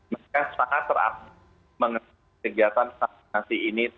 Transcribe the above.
mereka sangat teraktif mengenai kegiatan vaksinasi ini